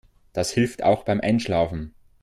Das hilft auch beim Einschlafen.